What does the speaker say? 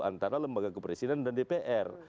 antara lembaga kepresiden dan dpr